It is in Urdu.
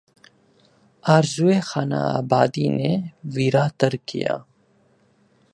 آرزوئے خانہ آبادی نے ویراں تر کیا